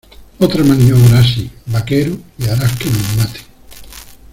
Otra maniobra así, vaquero , y harás que nos maten.